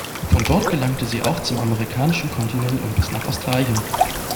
Von dort gelangte sie auch zum amerikanischen Kontinent und bis nach Australien.